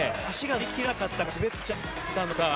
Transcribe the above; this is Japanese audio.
足が乗りきらなかったか滑っちゃったのか。